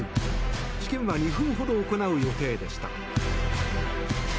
試験は２分ほど行う予定でした。